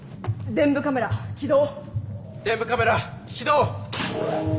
臀部カメラ起動！